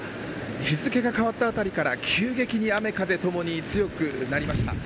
日付が変わったあたりから急激に雨風ともに強くなりました。